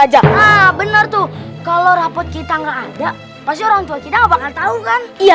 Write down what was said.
ngelera kita aja bener tuh kalau rapat kita nggak ada pasti orang tua tidak bakal tahu kan iya